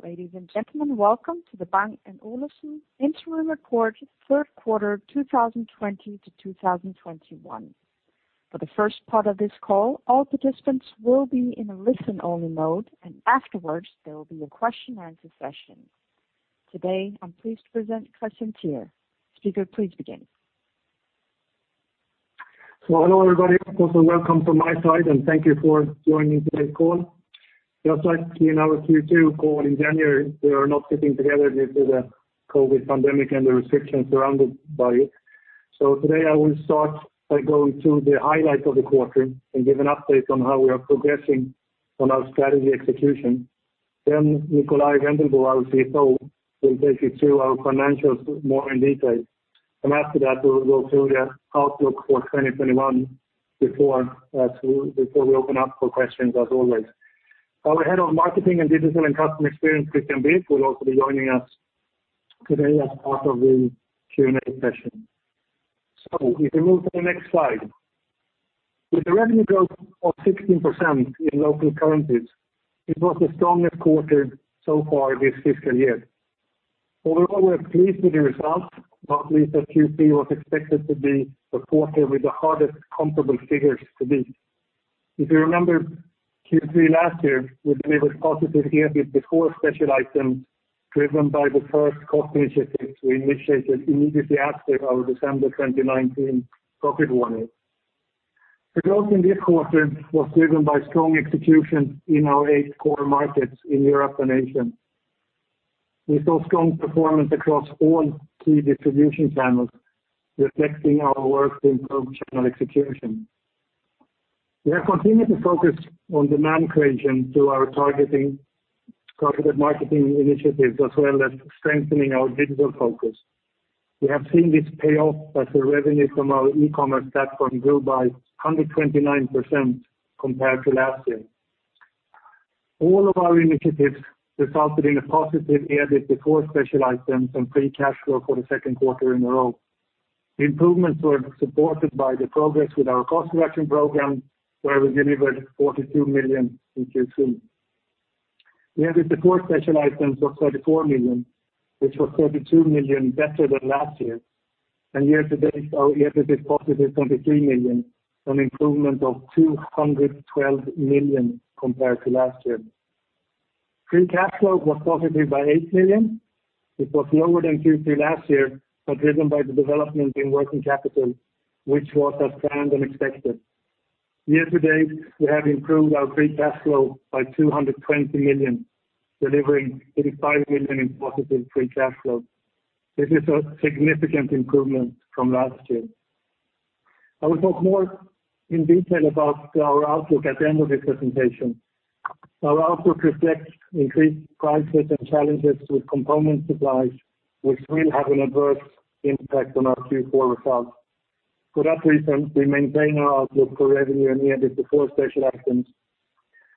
Ladies and gentlemen, Welcome to the Bang & Olufsen Interim Report, third quarter 2020 to 2021. For the first part of this call, all participants will be in a listen-only mode, and afterwards, there will be a question and answer session. Today, I'm pleased to present Kristian Teär. Speaker, please begin. Hello everybody. Also welcome from my side and thank you for joining today's call. Just like in our Q2 call in January, we are not sitting together due to the COVID pandemic and the restrictions surrounded by it. Today I will start by going through the highlights of the quarter and give an update on how we are progressing on our strategy execution. Nikolaj Wendelboe, our CFO, will take you through our financials more in detail. After that, we will go through the outlook for 2021 before we open up for questions as always. Our head of marketing and digital and customer experience, Christian Birk, will also be joining us today as part of the Q&A session. If we move to the next slide. With a revenue growth of 16% in local currencies, it was the strongest quarter so far this fiscal year. Overall, we are pleased with the results, not least as Q3 was expected to be the quarter with the hardest comparable figures to beat. If you remember, Q3 last year, we delivered positive EBIT before special items driven by the first cost initiative we initiated immediately after our December 2019 profit warning. The growth in this quarter was driven by strong execution in our eight core markets in Europe and Asia. We saw strong performance across all key distribution channels, reflecting our work to improve channel execution. We have continued to focus on demand creation through our targeted marketing initiatives, as well as strengthening our digital focus. We have seen this pay off as the revenue from our e-commerce platform grew by 129% compared to last year. All of our initiatives resulted in a positive EBIT before special items and free cash flow for the second quarter in a row. The improvements were supported by the progress with our cost-reduction program, where we delivered 42 million in Q2. EBIT before special items was 34 million, which was 32 million better than last year, and year to date, our EBIT is positive 23 million, an improvement of 212 million compared to last year. Free cash flow was positive by 8 million, which was lower than Q3 last year, but driven by the development in working capital, which was as planned and expected. Year to date, we have improved our free cash flow by 220 million, delivering 35 million in positive free cash flow. This is a significant improvement from last year. I will talk more in detail about our outlook at the end of this presentation. Our outlook reflects increased price risks and challenges with component supplies, which will have an adverse impact on our Q4 results. For that reason, we maintain our outlook for revenue and EBIT before special items.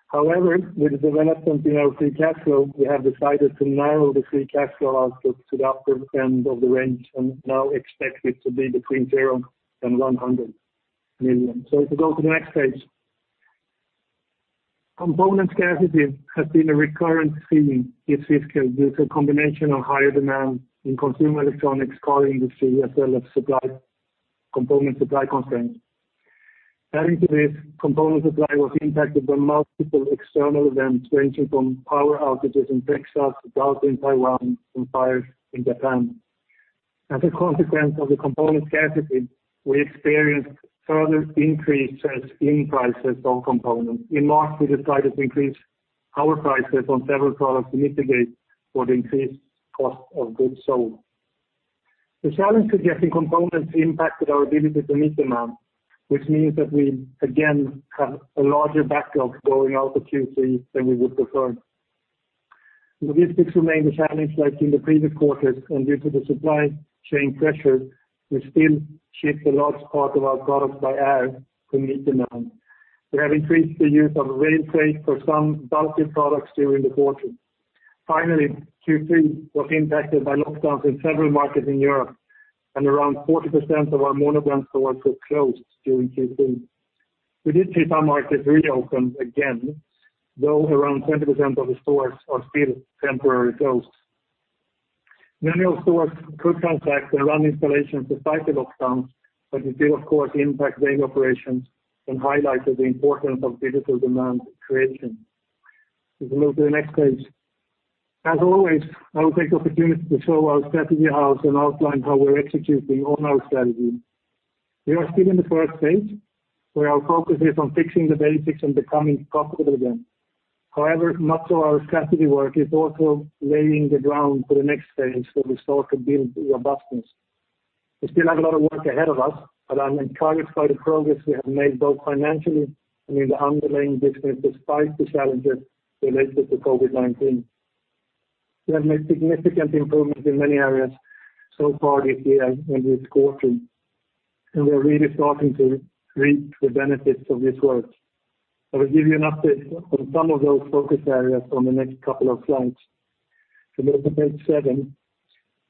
However, with the development in our free cash flow, we have decided to narrow the free cash flow outlook to the upper end of the range and now expect it to be between zero and 100 million. If we go to the next page. Component scarcity has been a recurrent theme this fiscal due to a combination of higher demand in consumer electronics, car industry, as well as component supply constraints. Adding to this, component supply was impacted by multiple external events ranging from power outages in Texas, drought in Taiwan, and fires in Japan. As a consequence of the component scarcity, we experienced further increases in prices on components. In March, we decided to increase our prices on several products to mitigate for the increased cost of goods sold. The challenge of getting components impacted our ability to meet demand, which means that we again have a larger backlog going out of Q3 than we would prefer. Logistics remained a challenge like in the previous quarters. Due to the supply chain pressures, we still ship the largest part of our products by air to meet demand. We have increased the use of rail freight for some bulky products during the quarter. Q3 was impacted by lockdowns in several markets in Europe. Around 40% of our mono-brand stores were closed during Q3. We did see some markets reopen again, though around 20% of the stores are still temporarily closed. Many of stores could transact and run installations despite the lockdowns. It did of course impact daily operations and highlighted the importance of digital demand creation. If we move to the next page. As always, I will take the opportunity to show our strategy house and outline how we are executing on our strategy. We are still in the first phase, where our focus is on fixing the basics and becoming profitable again. However, much of our strategy work is also laying the ground for the next phase where we start to build robustness. We still have a lot of work ahead of us, but I am encouraged by the progress we have made both financially and in the underlying business despite the challenges related to COVID-19. We have made significant improvements in many areas so far this year and this quarter, and we are really starting to reap the benefits of this work. I will give you an update on some of those focus areas on the next couple of slides. Move to page seven.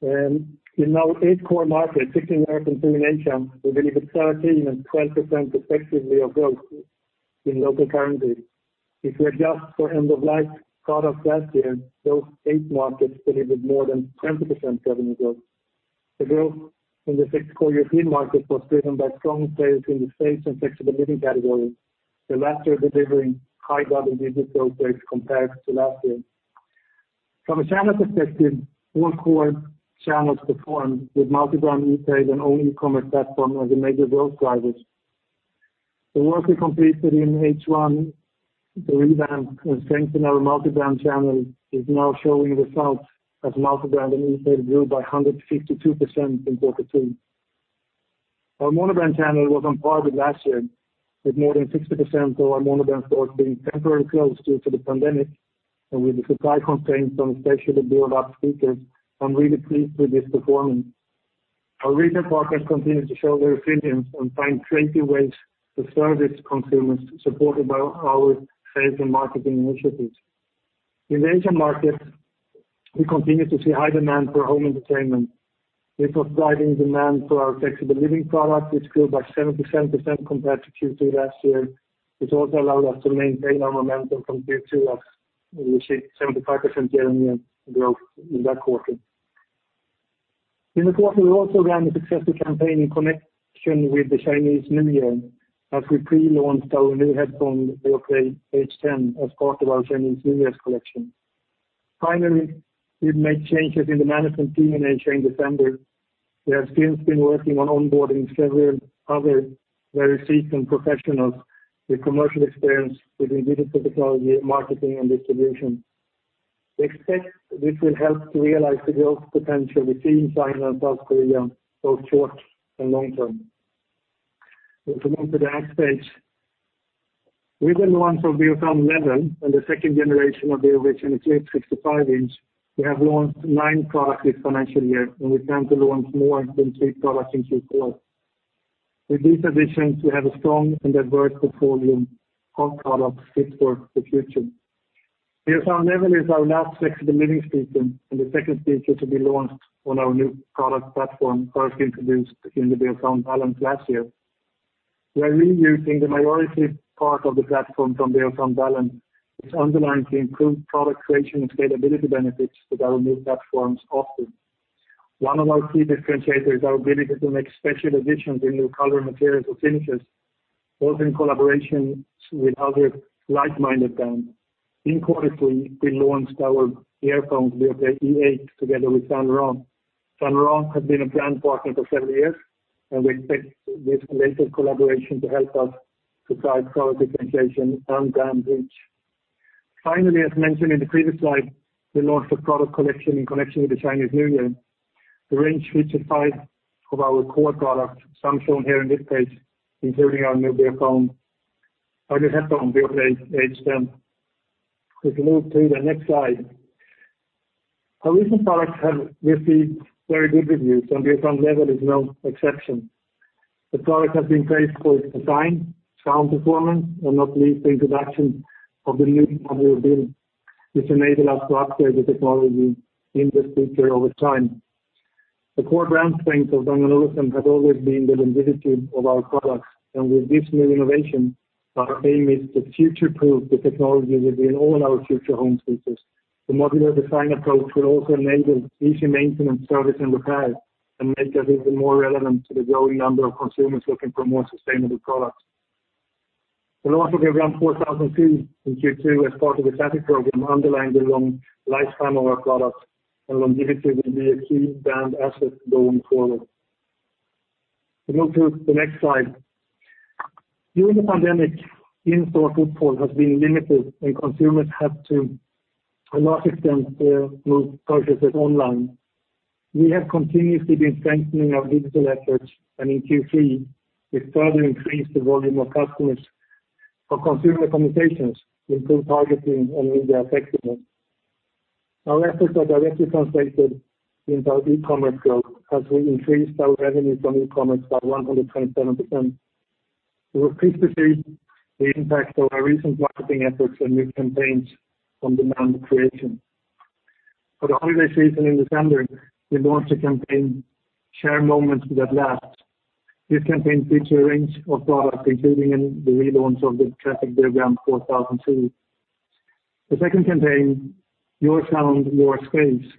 In our eight core markets, 15 million consumers, we delivered 13% and 12% respectively of growth in local currency. If we adjust for End-of-Life products last year, those eight markets delivered more than 20% revenue growth. The growth in the six core European markets was driven by strong sales in the Staged and Flexible Living categories, the latter delivering high double-digit growth rates compared to last year. From a channel perspective, all core channels performed with multi-brand retail and own e-commerce platform as the major growth drivers. The work we completed in H1, the revamp and strengthening our multi-brand channel is now showing results as multi-brand and e-tail grew by 152% in Q3. Our mono-brand channel was on par with last year, with more than 60% of our mono-brand stores being temporarily closed due to the pandemic, and with the supply constraints on especially Beolab speakers. I'm really pleased with this performance. Our retail partners continue to show resilience and find creative ways to service consumers, supported by our sales and marketing initiatives. In the Asian market, we continue to see high demand for home entertainment, which was driving demand for our Flexible Living product, which grew by 70% compared to Q2 last year, which also allowed us to maintain our momentum from Q2 as we achieved 75% year-on-year growth in that quarter. In the quarter, we also ran a successful campaign in connection with the Chinese New Year as we pre-launched our new headphone, Beoplay HX, as part of our Chinese New Year collection. Finally, we've made changes in the management team in Asia in December. We have since been working on onboarding several other very seasoned professionals with commercial experience within digital technology, marketing, and distribution. We expect this will help to realize the growth potential we see in China and South Korea, both short and long term. If we move to the next page. With the launch of Beosound Level and the second generation of Beovision Eclipse 65 inch, we have launched nine products this financial year and we plan to launch more than three products in Q4. With these additions, we have a strong and diverse portfolio of products fit for the future. Beosound Level is our last Flexible Living speaker and the second speaker to be launched on our new product platform first introduced in the Beosound Balance last year. We are reusing the majority part of the platform from Beosound Balance, which underlines the improved product creation and scalability benefits without new platforms often. One of our key differentiators, our ability to make special editions in new color materials or finishes, both in collaboration with other like-minded brands. In quarter three, we launched our earphones, Beoplay E8, together with Saint Laurent. Saint Laurent has been a Brand Partnering for several years. We expect this latest collaboration to help us drive product differentiation and brand reach. As mentioned in the previous slide, we launched a product collection in connection with the Chinese New Year. The range features five of our core products, some shown here in this page, including our new Beosound and headphone Beoplay HX. If we move to the next slide. Our recent products have received very good reviews. Beosound Level is no exception. The product has been praised for its design, sound performance, and not least the introduction of the new modular build, which enable us to upgrade the technology in the speaker over time. The core brand strength of Bang & Olufsen has always been the longevity of our products, and with this new innovation, our aim is to future-proof the technology within all our future home speakers. The modular design approach will also enable easy maintenance, service, and repair and make us even more relevant to the growing number of consumers looking for more sustainable products. The launch of Beogram 4002 in Q2 as part of the classic program underlined the long lifespan of our product and longevity will be a key brand asset going forward. If we move to the next slide. During the pandemic, in-store footfall has been limited and consumers have to a large extent moved purchases online. We have continuously been strengthening our digital efforts, and in Q3 we further increased the volume of customers for consumer communications to improve targeting and media effectiveness. Our efforts are directly translated into our e-commerce growth as we increased our revenues from e-commerce by 127%. We were pleased to see the impact of our recent marketing efforts and new campaigns on demand creation. For the holiday season in December, we launched a campaign, Share Moments That Last. This campaign featured a range of products, including the relaunch of the classic Beogram 4002. The second campaign, Your Sound, Your Space,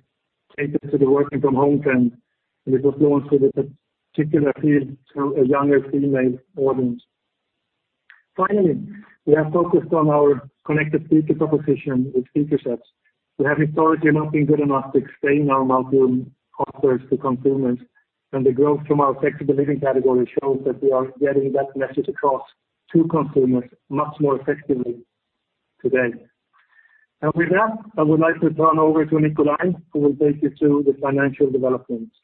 catered to the working from home trend, and it was launched with a particular appeal to a younger female audience. Finally, we have focused on our connected speaker proposition with speaker sets. We have historically not been good enough to explain our multi-room offers to consumers, and the growth from our Flexible Living category shows that we are getting that message across to consumers much more effectively today. With that, I would like to turn over to Nikolaj, who will take you through the financial developments.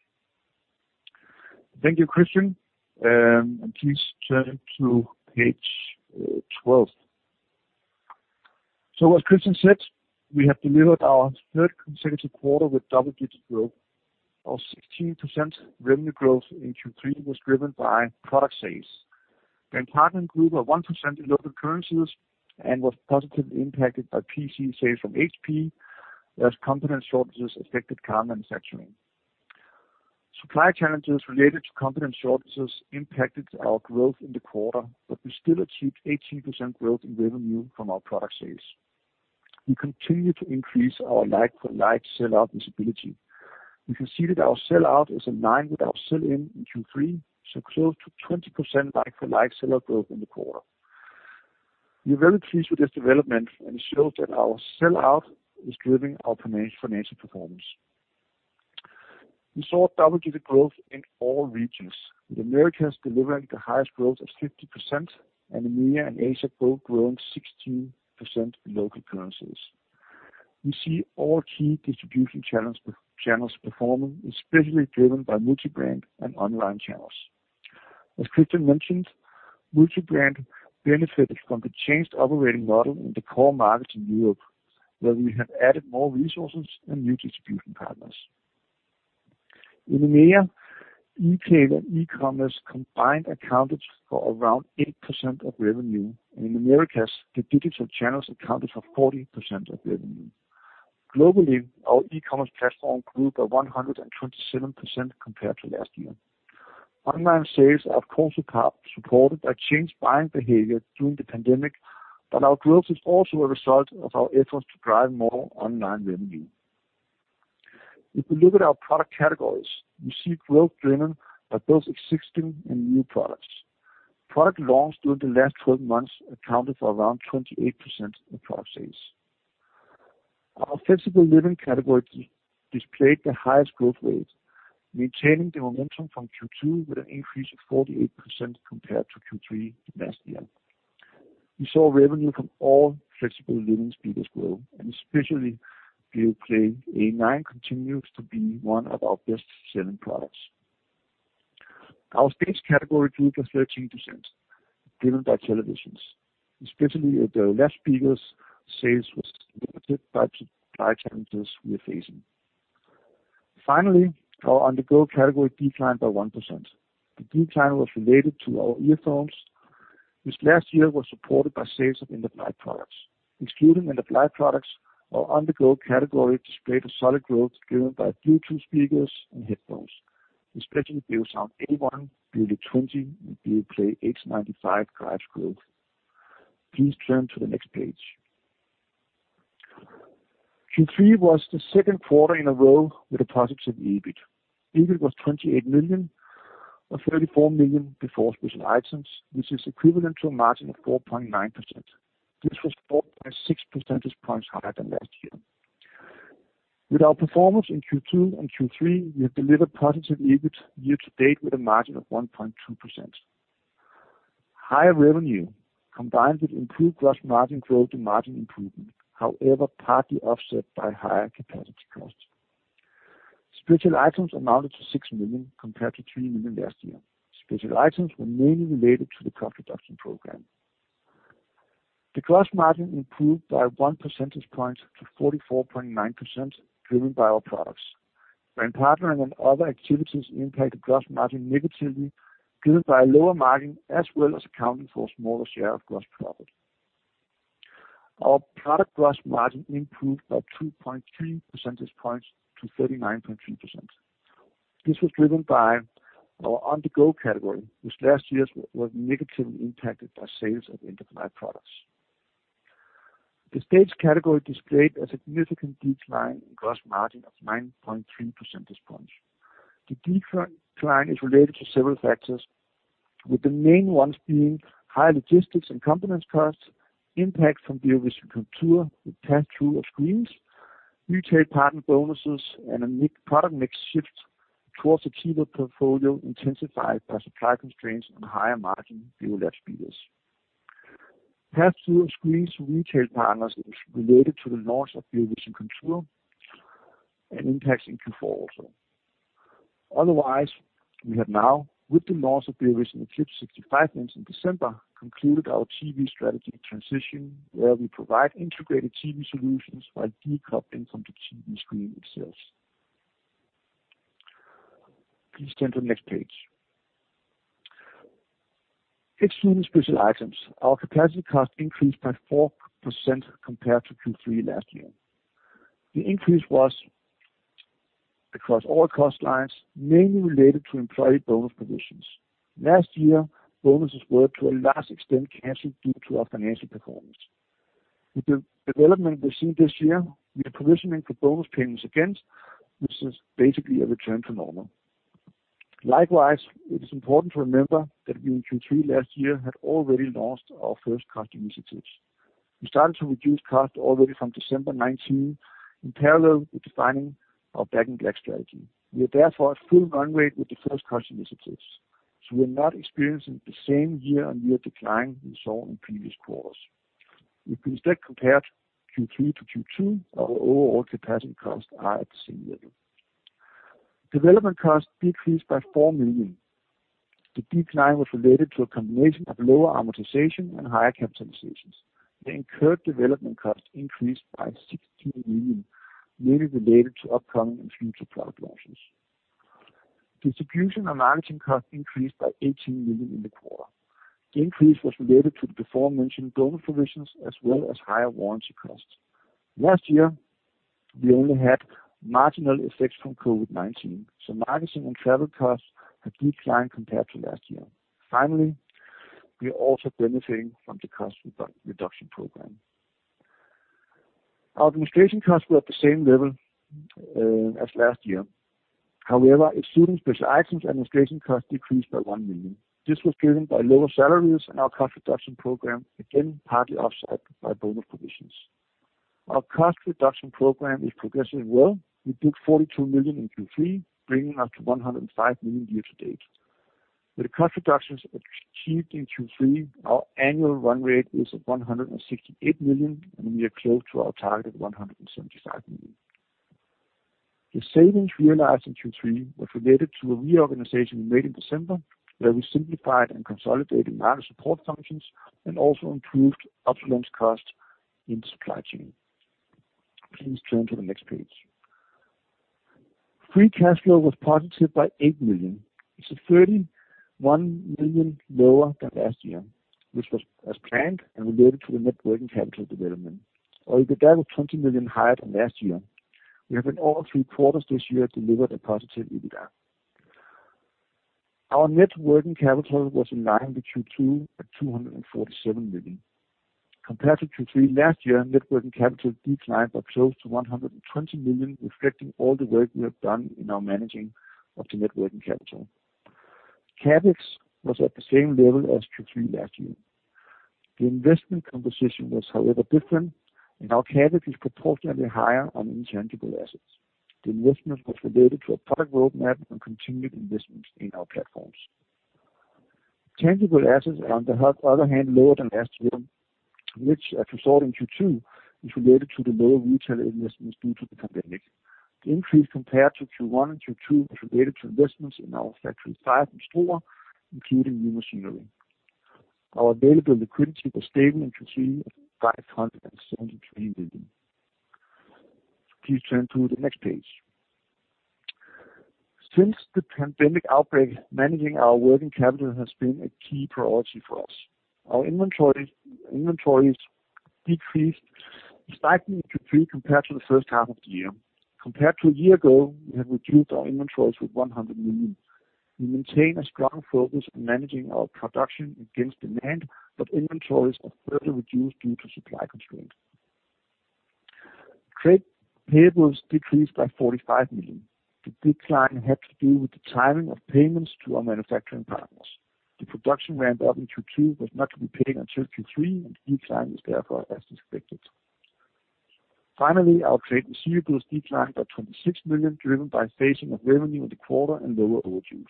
Thank you, Kristian, and please turn to page 12. As Kristian said, we have delivered our third consecutive quarter with double-digit growth. Our 16% revenue growth in Q3 was driven by product sales Brand Partnering Group of 1% in local currencies and was positively impacted by PC sales from HP as component shortages affected car manufacturing. Supply challenges related to component shortages impacted our growth in the quarter, but we still achieved 18% growth in revenue from our product sales. We continue to increase our like-for-like sell-out visibility. We can see that our sell-out is aligned with our sell-in in Q3, so close to 20% like-for-like sell-out growth in the quarter. We are very pleased with this development, and it shows that our sell-out is driving our financial performance. We saw double-digit growth in all regions, with Americas delivering the highest growth of 50% and EMEA and Asia both growing 16% in local currencies. We see all key distribution channels performing, especially driven by multi-brand and online channels. As Kristian mentioned, multi-brand benefited from the changed operating model in the core markets in Europe, where we have added more resources and new distribution partners. In EMEA, E-tail and E-commerce combined accounted for around 8% of revenue. In Americas, the digital channels accounted for 40% of revenue. Globally, our e-commerce platform grew by 127% compared to last year. Online sales are also supported by changed buying behavior during the pandemic, but our growth is also a result of our efforts to drive more online revenue. If you look at our product categories, you see growth driven by both existing and new products. Product launched during the last 12 months accounted for around 28% of product sales. Our Flexible Living category displayed the highest growth rate, maintaining the momentum from Q2 with an increase of 48% compared to Q3 last year. We saw revenue from all Flexible Living speakers grow, and especially Beoplay A9 continues to be one of our best-selling products. Our Staged category grew by 13%, driven by televisions, especially the Beolab speakers sales was limited by supply challenges we are facing. Finally, our On-the-Go category declined by 1%. The decline was related to our earphones, which last year was supported by sales of End-of-Life products. Excluding End-of-Life products, our On-the-Go category displayed a solid growth driven by Bluetooth speakers and headphones, especially Beosound A1, Beolit 20, and Beoplay H95 drives growth. Please turn to the next page. Q3 was the second quarter in a row with a positive EBIT. EBIT was 28 million or 34 million before special items, which is equivalent to a margin of 4.9%. This was 4.6 percentage points higher than last year. With our performance in Q2 and Q3, we have delivered positive EBIT year to date with a margin of 1.2%. Higher revenue combined with improved gross margin drove the margin improvement, however, partly offset by higher capacity costs. Special items amounted to 6 million compared to 3 million last year. Special items were mainly related to the cost reduction program. The gross margin improved by one percentage point to 44.9%, driven by our products. Brand Partnering and other activities impacted gross margin negatively, driven by a lower margin, as well as accounting for a smaller share of gross profit. Our product gross margin improved by 2.2 percentage points to 39.2%. This was driven by our On-the-Go category, which last year was negatively impacted by sales of End-of-Life products. The Staged category displayed a significant decline in gross margin of 9.3 percentage points. The decline is related to several factors, with the main ones being higher logistics and components costs, impact from Beovision Contour with pass-through of screens, retail partner bonuses, and a product mix shift towards a cheaper portfolio intensified by supply constraints on higher margin Beolab speakers. Pass-through of screens to retail partners is related to the launch of Beovision Contour and impacts in Q4 also. We have now, with the launch of Beovision Eclipse 65 inch in December, concluded our TV strategy transition, where we provide integrated TV solutions by decoupling from the TV screen itself. Please turn to next page. Excluding special items, our capacity cost increased by 4% compared to Q3 last year. The increase was across all cost lines, mainly related to employee bonus provisions. Last year, bonuses were to a large extent canceled due to our financial performance. With the development we've seen this year, we are provisioning for bonus payments again, which is basically a return to normal. Likewise, it is important to remember that we in Q3 last year had already launched our first cost initiatives. We started to reduce cost already from December 2019 in parallel with defining our Back in Black strategy. We are therefore at full run rate with the first cost initiatives. We're not experiencing the same year-on-year decline we saw in previous quarters. If we instead compared Q3 to Q2, our overall capacity costs are at the same level. Development cost decreased by 4 million. The decline was related to a combination of lower amortization and higher capitalizations. The incurred development cost increased by 16 million, mainly related to upcoming and future product launches. Distribution and marketing costs increased by 18 million in the quarter. The increase was related to the before-mentioned bonus provisions, as well as higher warranty costs. Last year, we only had marginal effects from COVID-19, so marketing and travel costs have declined compared to last year. Finally, we are also benefiting from the cost reduction program. Our administration costs were at the same level as last year. However, excluding special items, administration costs decreased by 1 million. This was driven by lower salaries and our cost reduction program, again, partly offset by bonus provisions. Our cost reduction program is progressing well. We booked 42 million in Q3, bringing us to 105 million year to date. With the cost reductions achieved in Q3, our annual run rate is at 168 million. We are close to our target of 175 million. The savings realized in Q3 were related to a reorganization we made in December, where we simplified and consolidated minor support functions and also improved obsolescence costs in the supply chain. Please turn to the next page. Free cash flow was positive by 8 million. This is 31 million lower than last year, which was as planned and related to the net working capital development. Our EBITDA was 20 million higher than last year. We have in all three quarters this year delivered a positive EBITDA. Our net working capital was in line with Q2 at 247 million. Compared to Q3 last year, net working capital declined by close to 120 million, reflecting all the work we have done in our managing of the net working capital. CapEx was at the same level as Q3 last year. The investment composition was however different, and our CapEx is proportionally higher on intangible assets. The investment was related to our product roadmap and continued investments in our platforms. Tangible assets are on the other hand, lower than last year, which as we saw in Q2, is related to the lower retail investments due to the pandemic. The increase compared to Q1 and Q2 was related to investments in our Factory 5 in Struer, including new machinery. Our available liquidity was stable in Q3 at 573 million. Please turn to the next page. Since the pandemic outbreak, managing our working capital has been a key priority for us. Our inventories decreased slightly in Q3 compared to the first half of the year. Compared to a year ago, we have reduced our inventories with 100 million. We maintain a strong focus on managing our production against demand, but inventories are further reduced due to supply constraints. Trade payables decreased by 45 million. The decline had to do with the timing of payments to our manufacturing partners. The production ramp-up in Q2 was not to be paid until Q3, and decline was therefore as expected. Finally, our trade receivables declined by 26 million, driven by phasing of revenue in the quarter and lower overages.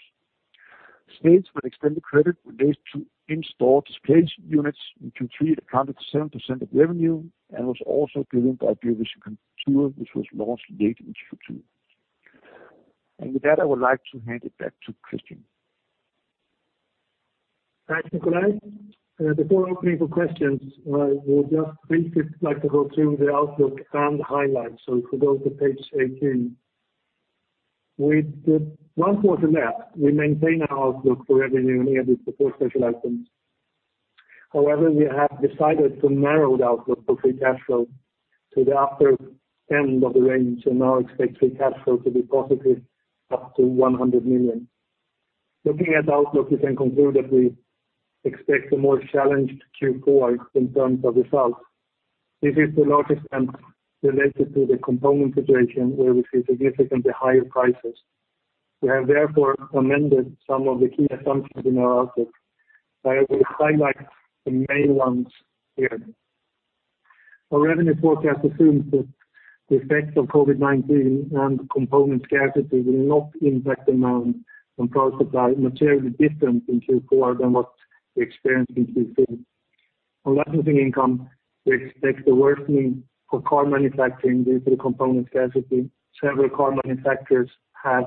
Sales for extended credit related to in-store display units in Q3 accounted for 7% of revenue and was also driven by Beovision Contour, which was launched late in Q2. With that, I would like to hand it back to Kristian. Thanks, Nikolaj. Before opening for questions, we'll just briefly like to go through the outlook and highlights. If we go to page 18. With one quarter left, we maintain our outlook for revenue and EBIT before special items. However, we have decided to narrow the outlook for free cash flow to the upper end of the range and now expect free cash flow to be positive up to 100 million. Looking at the outlook, we can conclude that we expect a more challenged Q4 in terms of results. This is to a large extent related to the component situation where we see significantly higher prices. We have therefore amended some of the key assumptions in our outlook. I will highlight the main ones here. Our revenue forecast assumes that the effects of COVID-19 and component scarcity will not impact demand on product supply materially different in Q4 than what we experienced in Q3. On licensing income, we expect a worsening for car manufacturing due to the component scarcity. Several car manufacturers have,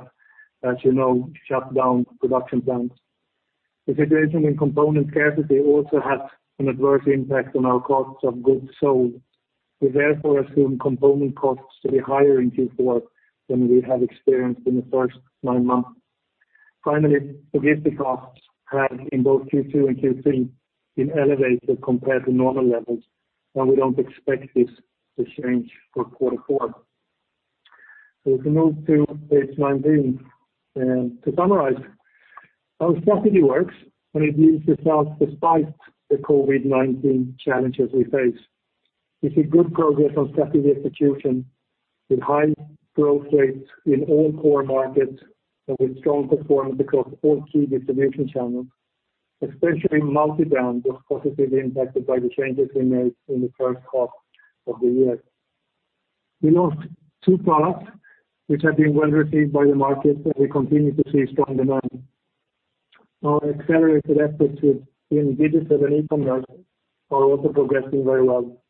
as you know, shut down production plants. The situation in component scarcity also has an adverse impact on our costs of goods sold. We therefore assume component costs to be higher in Q4 than we have experienced in the first nine months. Finally, logistic costs have in both Q2 and Q3 been elevated compared to normal levels, and we don't expect this to change for quarter four. If we move to page 19. To summarize, our strategy works and it yields results despite the COVID-19 challenges we face. We see good progress on strategy execution with high growth rates in all core markets and with strong performance across all key distribution channels. Especially multi-brand was positively impacted by the changes we made in the first half of the year. We launched two products which have been well received by the market, and we continue to see strong demand. Our accelerated efforts within digital and e-commerce are also progressing very well.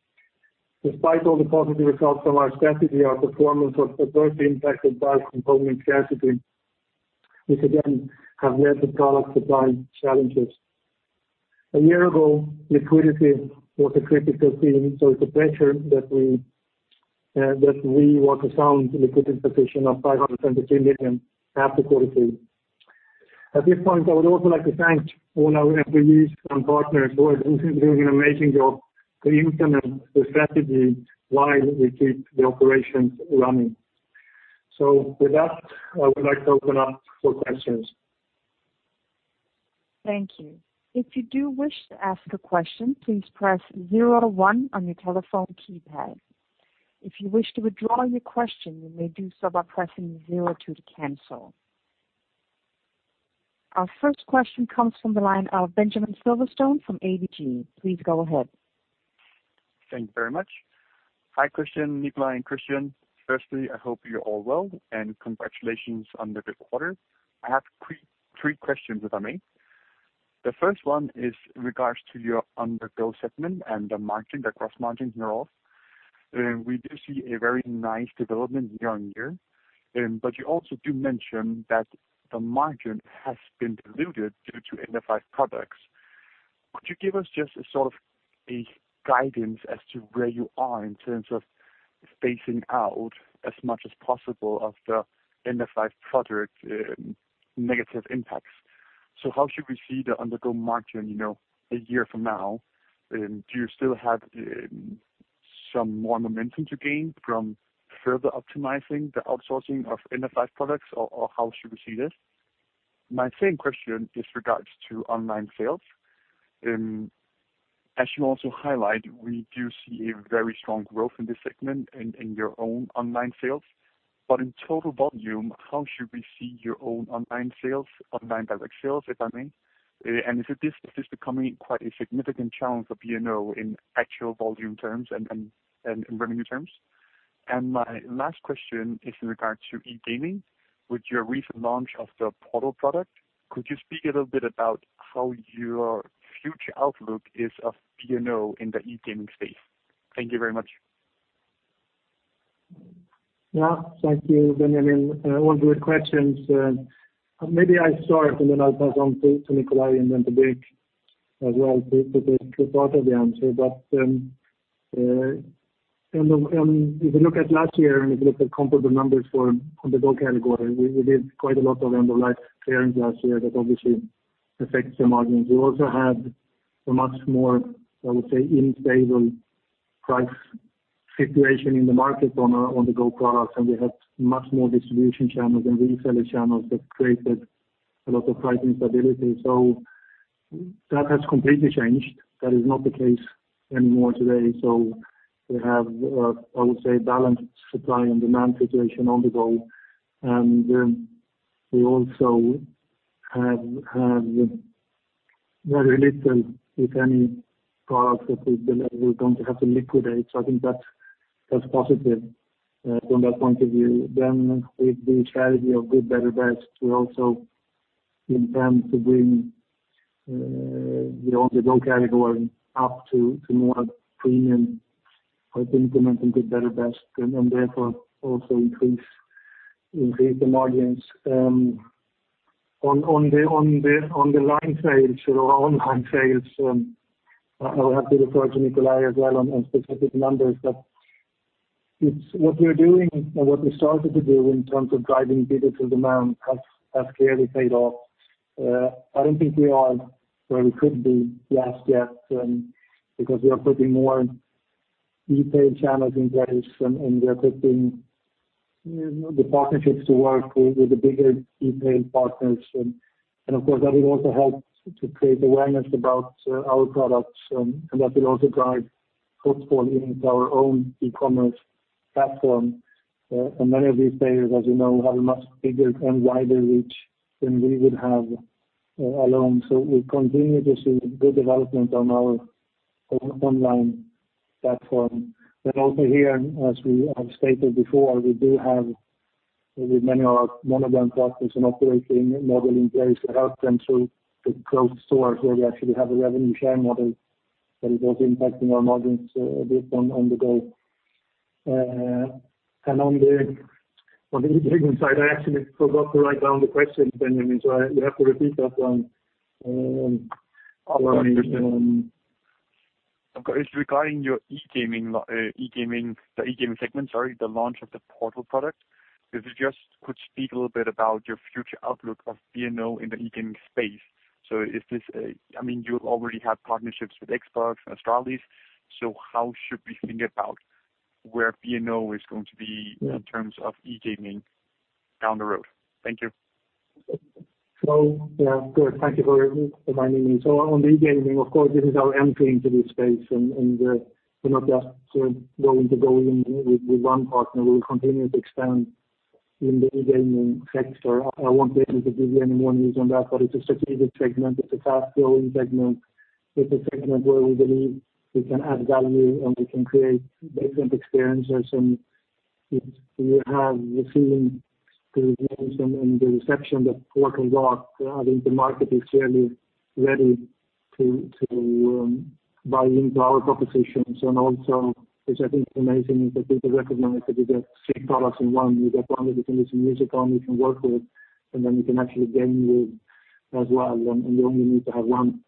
Despite all the positive results from our strategy, our performance was adversely impacted by component scarcity, which again have led to product supply challenges. A year ago, liquidity was a critical theme. It's a pleasure that we have a sound liquidity position of DKK 573 million at the quarter three. At this point, I would also like to thank all our employees and partners who are doing an amazing job to implement the strategy while we keep the operations running. With that, I would like to open up for questions. Thank you. If you do wish to ask a question, please press zero one on your telephone keypad. If you wish to withdraw your question, you may do so by pressing zero two to cancel. Our first question comes from the line of Benjamin Silverstone from ABG. Please go ahead. Thank you very much. Hi, Kristian, Nikolaj, and Christian. Firstly, I hope you're all well, and congratulations on the good quarter. I have three questions, if I may. The first one is in regards to your On-the-Go segment and the margin, the gross margins are off. We do see a very nice development year-on-year. You also do mention that the margin has been diluted due to End-of-Life products. Could you give us just a sort of guidance as to where you are in terms of phasing out as much as possible of the End-of-Life product negative impacts? How should we see the On-the-Go margin a year from now? Do you still have some more momentum to gain from further optimizing the outsourcing of End-of-Life products? How should we see this? My second question is regards to online sales. As you also highlight, we do see a very strong growth in this segment in your own online sales. In total volume, how should we see your own online sales, online direct sales, if I may? Is this becoming quite a significant channel for B&O in actual volume terms and in revenue terms? My last question is in regard to e-gaming. With your recent launch of the Portal product, could you speak a little bit about how your future outlook is of B&O in the e-gaming space? Thank you very much. Yeah, thank you, Benjamin. All good questions. Maybe I start, and then I'll pass on to Nikolaj and then to Birk as well to give part of the answer. If you look at last year, and if you look at comparable numbers for On-the-Go category, we did quite a lot of End-of-Life clearance last year that obviously affects the margins. We also had a much more, I would say, instable price situation in the market on our On-the-Go products, and we had much more distribution channels and reseller channels that created a lot of price instability. That has completely changed. That is not the case anymore today. We have, I would say, balanced supply and demand situation On-the-Go. We also have very little, if any, products that we're going to have to liquidate. I think that's positive from that point of view. With the strategy of good, better, best, we also intend to bring the On-the-Go category up to more premium price increment in good, better and best, and therefore also increase the margins. On the line sales or our online sales, I will have to refer to Nikolaj as well on specific numbers. What we're doing and what we started to do in terms of driving digital demand has clearly paid off. I don't think we are where we could be just yet, because we are putting more e-tail channels in place, and we are putting the partnerships to work with the bigger e-tail partners. Of course, that will also help to create awareness about our products, and that will also drive footfall into our own e-commerce platform. Many of these players, as you know, have a much bigger and wider reach than we would have alone. We continue to see good development on our online platform. Also here, as we have stated before, we do have with many of our mono-brand partners, an operating model in place to help them to grow stores where we actually have a revenue share model that is also impacting our margins a bit On-the-Go. On the e-gaming side, I actually forgot to write down the question, Benjamin, so you have to repeat that one. Got you. It's regarding your e-gaming segment, sorry, the launch of the Portal product. If you just could speak a little bit about your future outlook of B&O in the e-gaming space. You already have partnerships with Xbox and Astralis, so how should we think about where B&O is going to be in terms of e-gaming down the road? Thank you. Yeah, good. Thank you for reminding me. On the e-gaming, of course, this is our entry into this space, and we are not just going to go in with one partner. We will continue to expand in the e-gaming sector. I will not be able to give you any more news on that, but it is a strategic segment. It is a fast-growing segment. It is a segment where we believe we can add value, and we can create different experiences, and we have received good news and the reception that Portal got. I think the market is clearly ready to buy in to our propositions, and also, which I think is amazing, is that people recognize that you get three products in one. You get one that you can listen to music on, you can work with, and then you can actually game with as well, and you only need to have one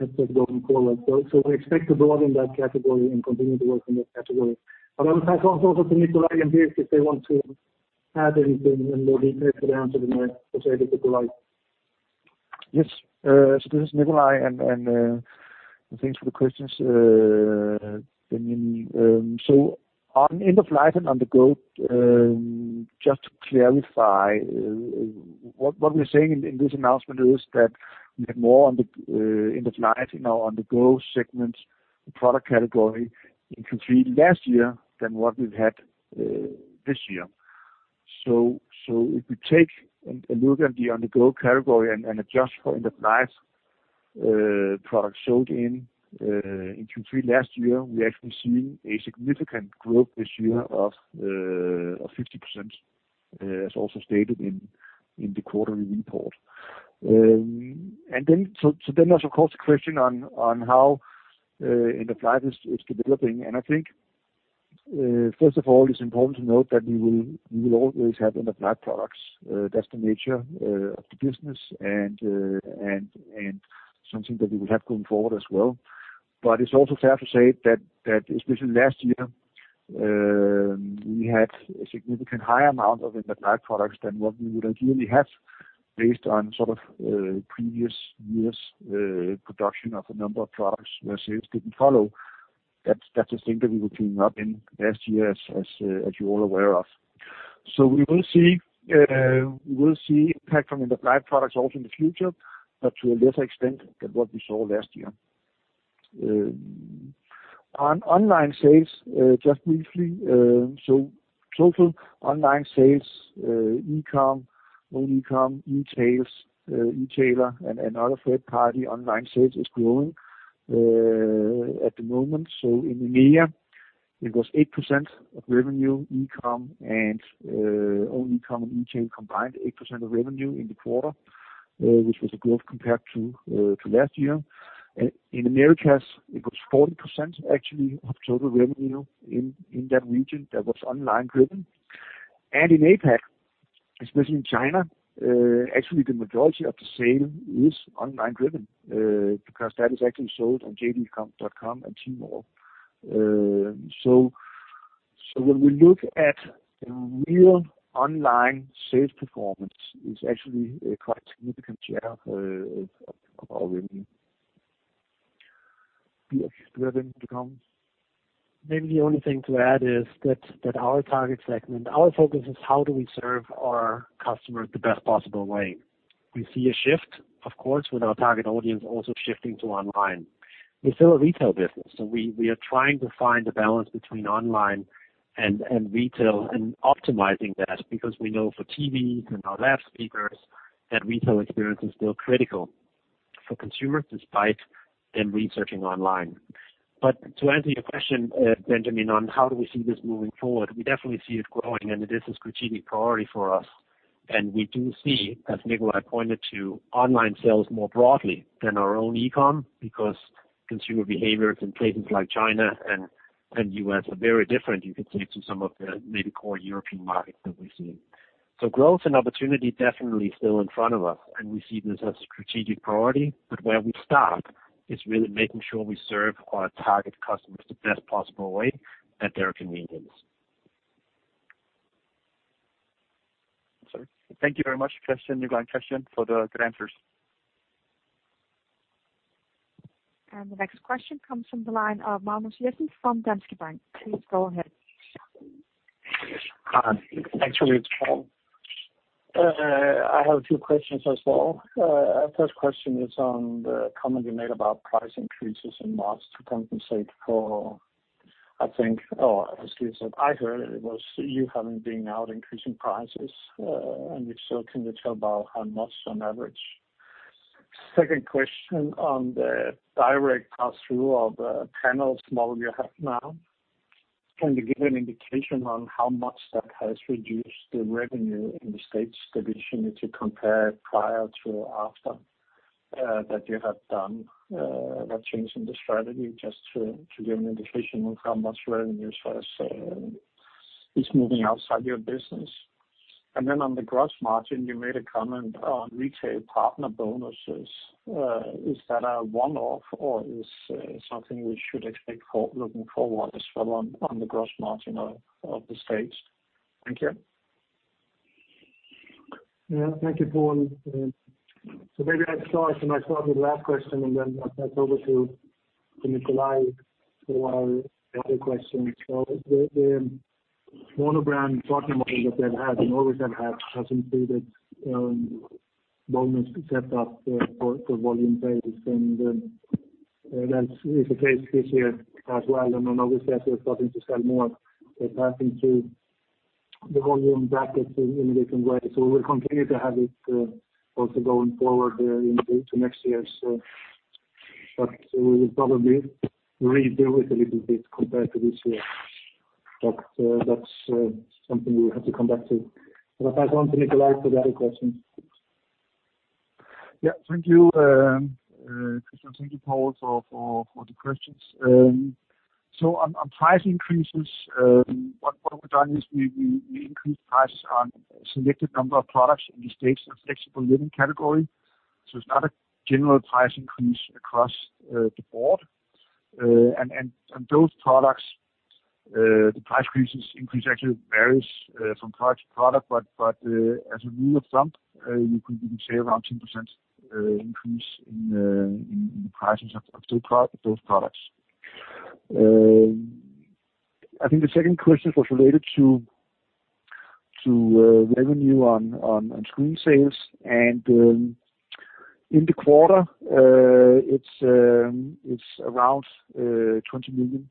headset going forward. We expect to grow in that category and continue to work in that category. I'll pass on to Nikolaj and Birk if they want to add anything, and maybe take the answer to the End-of-Life. Yes. This is Nikolaj, and thanks for the questions, Benjamin. On End-of-Life and On-the-Go, just to clarify, what we're saying in this announcement is that we had more on the End-of-Life and our On-the-Go segments product category in Q3 last year than what we've had this year. If we take a look at the On-the-Go category and adjust for End-of-Life products sold in Q3 last year, we're actually seeing a significant growth this year of 50%, as also stated in the quarterly report. There's, of course, a question on how End-of-Life is developing. I think, first of all, it's important to note that we will always have End-of-Life products. That's the nature of the business and something that we will have going forward as well. It's also fair to say that especially last year, we had a significantly higher amount of End-of-Life products than what we would ideally have, based on previous years' production of a number of products where sales didn't follow. That's a thing that we were cleaning up in last year, as you're all aware of. We will see impact from End-of-Life products also in the future, but to a lesser extent than what we saw last year. On online sales, just briefly, total online sales, e-com, own e-com, E-tails, e-tailer, and other third-party online sales is growing at the moment. In EMEA, it was 8% of revenue e-com, and own e-com and e-tail combined, 8% of revenue in the quarter, which was a growth compared to last year. In Americas, it was 14%, actually, of total revenue in that region that was online-driven. In APAC, especially in China, actually the majority of the sale is online driven because that is actually sold on JD.com and Tmall. When we look at the real online sales performance, it's actually a quite significant share of our revenue. Birk, do you have anything to comment? Maybe the only thing to add is that our target segment, our focus is how do we serve our customers the best possible way. We see a shift, of course, with our target audience also shifting to online. We're still a retail business, so we are trying to find a balance between online and retail and optimizing that because we know for TVs and our Beolab speakers, that retail experience is still critical for consumers despite them researching online. To answer your question, Benjamin, on how do we see this moving forward, we definitely see it growing and it is a strategic priority for us. We do see, as Nikolaj pointed to, online sales more broadly than our own e-com because consumer behaviors in places like China and U.S. are very different, you could say, to some of the maybe core European markets that we see. Growth and opportunity definitely still in front of us, and we see this as a strategic priority, but where we start is really making sure we serve our target customers the best possible way at their convenience. Sorry. Thank you very much, Christian, Nikolaj and Kristian, for the good answers. The next question comes from the line of Poul Jessen from Danske Bank. Please go ahead. Hi. Actually, it's Poul. I have two questions as well. First question is on the comment you made about price increases in March to compensate for, I think, or excuse me, I heard it was you having been out increasing prices. If so, can you talk about how much on average? Second question on the direct pass-through of the panels model you have now. Can you give an indication on how much that has reduced the revenue in the Staged division if you compare prior to after that you have done that change in the strategy, just to give an indication of how much revenue is moving outside your business. On the gross margin, you made a comment on retail partner bonuses. Is that a one-off or is something we should expect looking forward as well on the gross margin of the States? Thank you. Yeah. Thank you, Poul. Maybe I start and I start with the last question and then I'll pass over to Nikolaj for the other question. The mono-brand partner model that they've had and always have had, has included bonus set up for volume-based, and that is the case this year as well. Obviously as we're starting to sell more, they tap into the volume brackets in a different way. We'll continue to have it also going forward into next year. But we will probably rebuild it a little bit compared to this year. That's something we have to come back to. I'll pass on to Nikolaj for the other question. Thank you, Kristian. Thank you, Poul, for the questions. On price increases, what we've done is we increased prices on a selected number of products in the Staged and Flexible Living category. Those products, the price increase actually varies from product to product, but as a rule of thumb, you could say around 10% increase in the prices of those products. I think the second question was related to revenue on screen sales, and in the quarter, it's around 20 million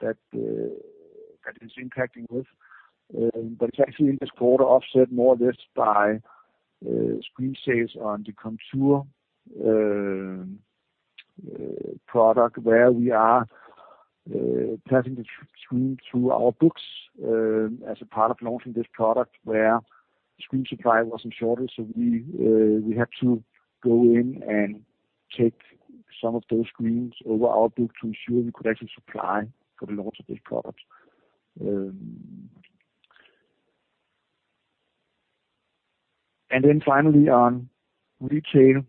that is impacting this. It's actually in this quarter offset more or less by screen sales on the Contour product, where we are passing the screen through our books as a part of launching this product, where screen supply was in shortage. We had to go in and take some of those screens over our book to ensure we could actually supply for the launch of this product. Finally, on retail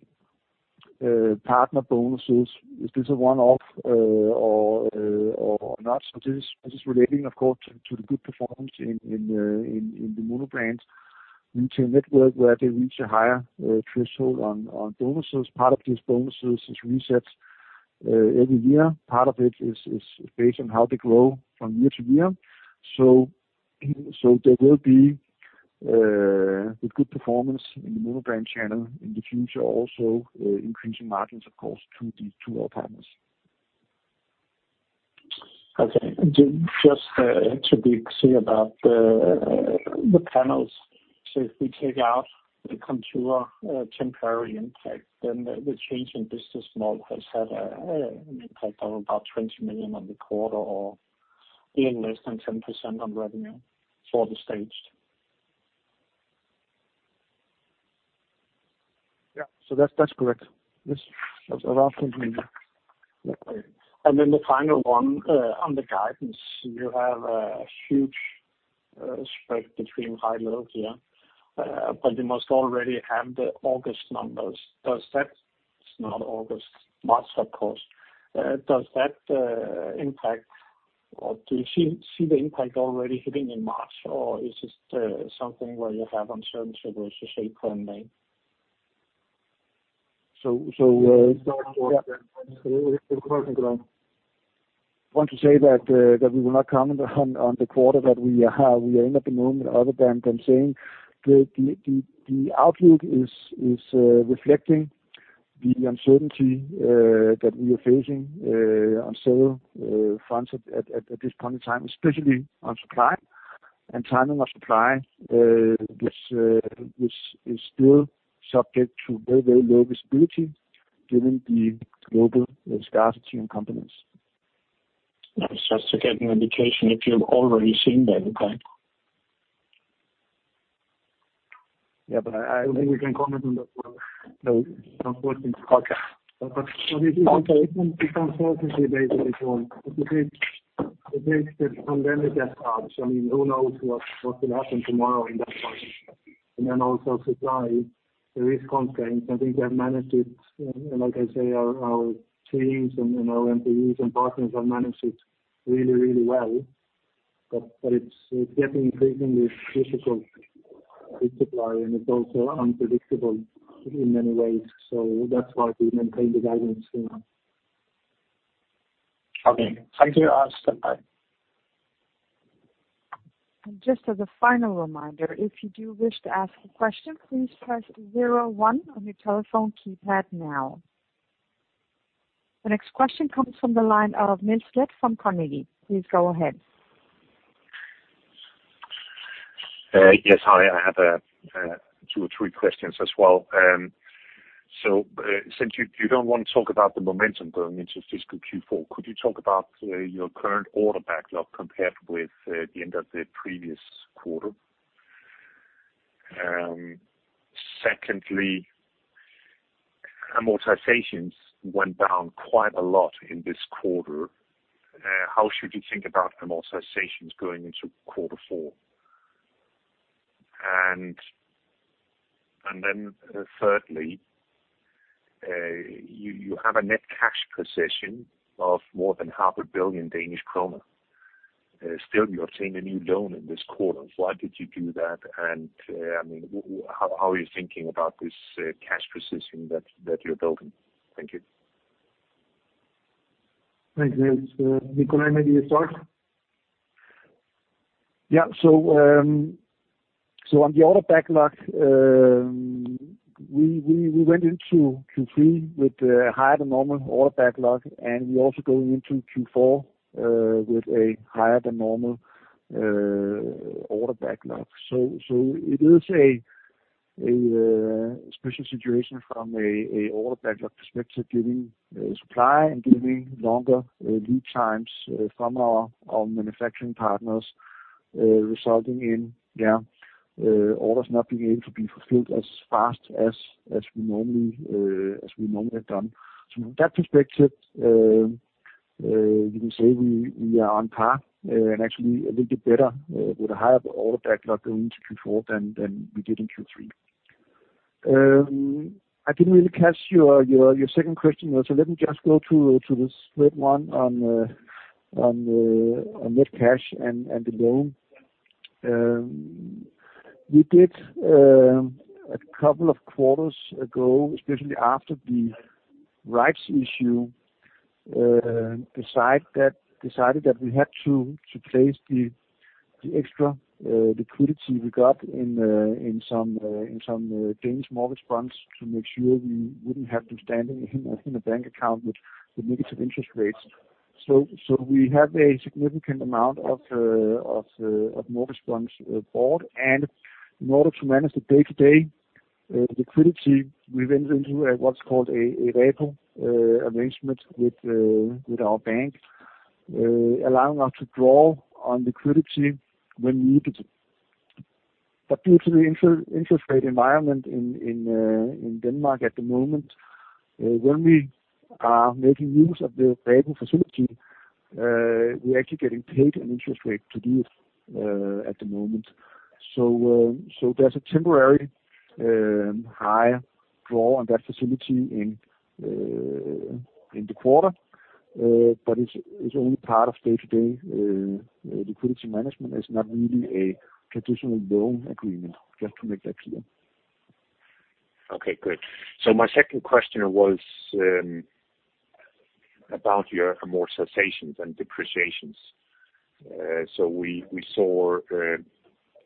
partner bonuses, is this a one-off or not? This is relating, of course, to the good performance in the mono-brand retail network where they reach a higher threshold on bonuses. Part of these bonuses is reset every year. Part of it is based on how they grow from year to year. There will be a good performance in the mono-brand channel in the future, also increasing margins, of course, to our partners. Okay. Just to be clear about the panels. If we take out the Contour temporary impact, the change in business model has had an impact of about 20 million on the quarter or being less than 10% on revenue for the Staged. Yeah. That's not correct. Yes. That's around 20 million. Okay. The final one, on the guidance, you have a huge spread between high and low here. You must already have the August numbers. It's not August, March, of course. Does that impact, or do you see the impact already hitting in March or is this something where you have uncertainty versus a point in May? Want to say that we will not comment on the quarter that we are in at the moment other than saying the outlook is reflecting the uncertainty that we are facing on several fronts at this point in time, especially on supply. Timing on supply is still subject to very low visibility given the global scarcity and components. No, it's just to get an indication if you've already seen the impact. I don't think we can comment on that one. No. Unfortunately. Okay. But it is- Okay. Uncertainty basically, it is the pandemic at large. I mean, who knows what will happen tomorrow in that market. Also supply, there is constraints. I think we have managed it, and like I say, our teams and our employees and partners have managed it really well. It's getting increasingly difficult with supply, and it's also unpredictable in many ways. That's why we maintain the guidance for now. Okay. Thank you. I'll step back. Just as a final reminder, if you do wish to ask a question, please press zero one on your telephone keypad now. The next question comes from the line of Niels Leth from Carnegie. Please go ahead. Yes. Hi. I have two or three questions as well. Since you don't want to talk about the momentum going into fiscal Q4, could you talk about your current order backlog compared with the end of the previous quarter? Secondly, amortizations went down quite a lot in this quarter. How should you think about amortizations going into quarter four? Thirdly, you have a net cash position of more than 500,000 billion Danish krone. Still, you obtained a new loan in this quarter. Why did you do that, and how are you thinking about this cash position that you're building? Thank you. Thanks, Niels. Nikolaj, maybe you start? Yeah. On the order backlog, we went into Q3 with a higher-than-normal order backlog, and we're also going into Q4 with a higher-than-normal order backlog. It is a special situation from a order backlog perspective, given supply and given longer lead times from our manufacturing partners. Resulting in orders not being able to be fulfilled as fast as we've normally done. From that perspective, we can say we are on par and actually a little bit better with a higher order backlog going into Q4 than we did in Q3. I didn't really catch your second question. Let me just go to this third one on net cash and the loan. We did, a couple of quarters ago, especially after the rights issue, decided that we had to place the extra liquidity we got in some Danish mortgage bonds to make sure we wouldn't have them standing in a bank account with negative interest rates. We have a significant amount of mortgage bonds bought. In order to manage the day-to-day liquidity, we went into what's called a repo arrangement with our bank, allowing us to draw on liquidity when needed. Due to the interest rate environment in Denmark at the moment, when we are making use of the repo facility, we're actually getting paid an interest rate to do it at the moment. There's a temporary higher draw on that facility in the quarter, but it's only part of day-to-day liquidity management. It's not really a traditional loan agreement, just to make that clear. Okay, good. My second question was about your amortizations and depreciations. We saw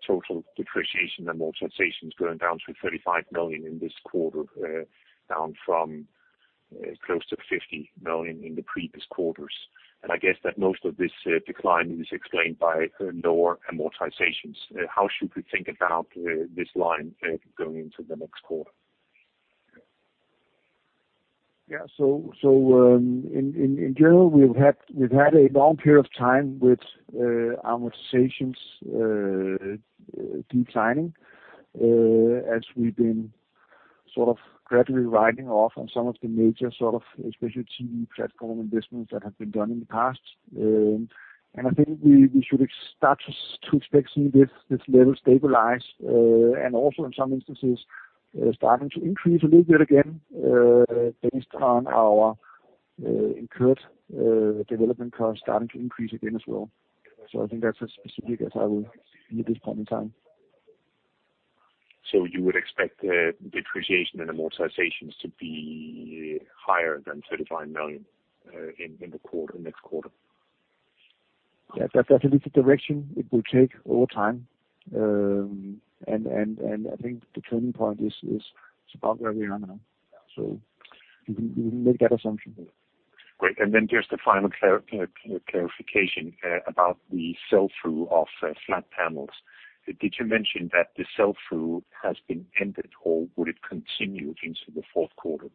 total depreciation, amortizations going down to 35 million in this quarter, down from close to 50 million in the previous quarters. I guess that most of this decline is explained by lower amortizations. How should we think about this line going into the next quarter? In general, we've had a long period of time with amortizations declining, as we've been gradually writing off on some of the major, especially TV platform investments that have been done in the past. I think we should start to expect to see this level stabilize. Also in some instances, starting to increase a little bit again, based on our incurred development costs starting to increase again as well. I think that's as specific as I will be at this point in time. You would expect depreciation and amortization to be higher than 35 million in the next quarter? Yeah. That's at least the direction it will take over time. I think the turning point is about where we are now. You can make that assumption. Great. Just a final clarification about the sell-through of flat panels. Did you mention that the sell-through has been ended, or would it continue into the fourth quarter?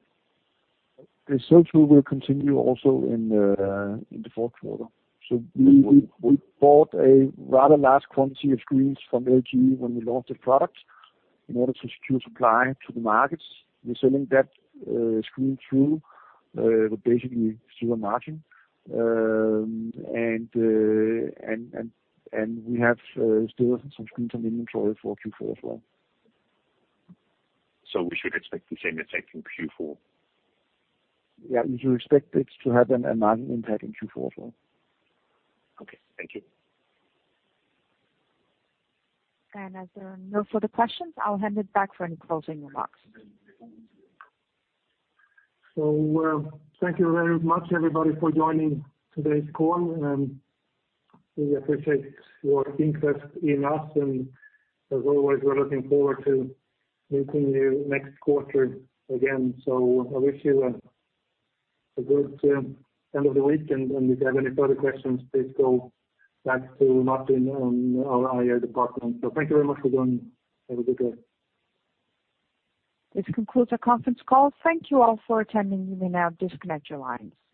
The sell-through will continue also in the fourth quarter. We bought a rather large quantity of screens from LG when we launched the product in order to secure supply to the markets. We're selling that screen through, but basically zero margin. We have still some screens on inventory for Q4 as well. We should expect the same effect in Q4? Yeah. You should expect it to have a margin impact in Q4 as well. Okay. Thank you. As there are no further questions, I'll hand it back for any closing remarks. Thank you very much everybody for joining today's call, and we appreciate your interest in us, and as always, we're looking forward to meeting you next quarter again. I wish you a good end of the week, and if you have any further questions, please go back to Martin in our IR department. Thank you very much for joining. Have a good day. This concludes our conference call. Thank you all for attending. You may now disconnect your lines.